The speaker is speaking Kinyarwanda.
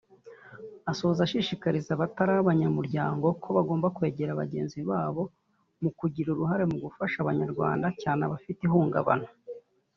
Asoza ashishikariza abataraba abanyamurya ko bagomba kwegera bagenzi babo mu kugira uruhare mu gufasha abanyarwanda cyane abafite ihungabana